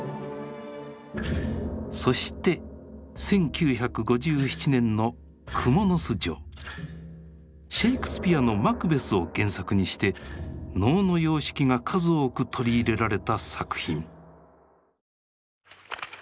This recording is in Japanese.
そして１９５７年のシェイクスピアの「マクベス」を原作にして能の様式が数多く取り入れられた作品。